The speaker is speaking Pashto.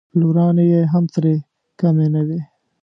لورانې یې هم ترې کمې نه وې.